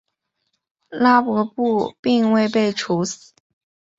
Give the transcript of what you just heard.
拉跋布并未被处死。